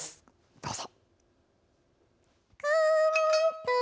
どうぞ。